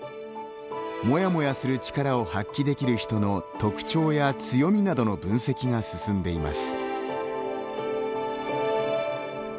モヤモヤする力を発揮できる人の特徴や強みなどの分析が進んでいます。